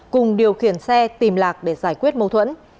cùng điều khiển xe tìm lạc để giải quyết mâu thuẫn